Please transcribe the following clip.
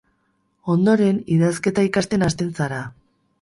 Ondoren, idazketa ikasten hasten zara.